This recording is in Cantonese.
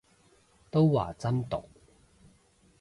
都話真毒